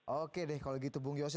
oke deh kalau gitu bu giyose